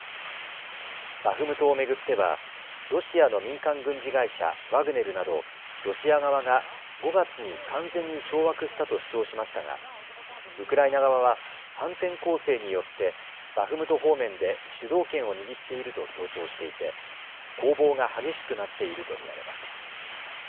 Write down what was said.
バフムトを巡ってはロシアの民間軍事会社、ワグネルなどロシア側が５月に完全に掌握したと主張しましたがウクライナ側は反転攻勢によってバフムト方面で主導権を握っていると強調していて攻防が激しくなっていると見られます。